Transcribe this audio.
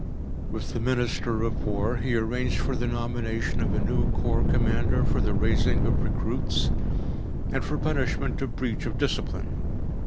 With the Minister of War he arranged for the nomination of a new Corps Commander for the raising of recruits, and for punishment of breach of discipline.